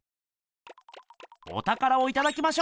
おたからをいただきましょう。